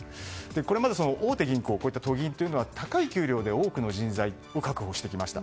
これまで大手銀行都銀というのは高い給料で多くの人材を確保してきました。